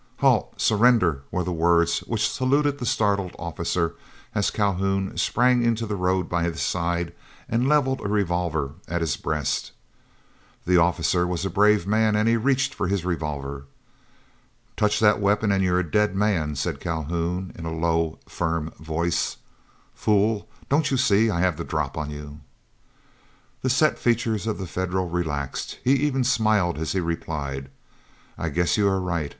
"Halt! Surrender!" were the words which saluted the startled officer, as Calhoun sprang into the road by his side, and levelled a revolver at his breast. The officer was a brave man, and he reached for his revolver. "Touch that weapon, and you are a dead man," said Calhoun, in a low, firm voice. "Fool, don't you see I have the drop on you?" The set features of the Federal relaxed, he even smiled as he replied: "I guess you are right.